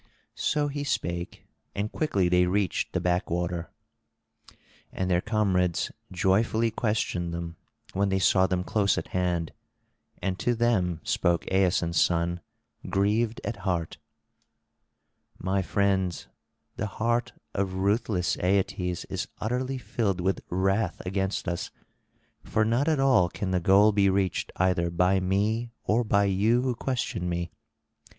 So he spake, and quickly they reached the back water. And their comrades joyfully questioned them, when they saw them close at hand; and to them spoke Aeson's son grieved at heart: "My friends, the heart of ruthless Aeetes is utterly filled with wrath against us, for not at all can the goal be reached either by me or by you who question me.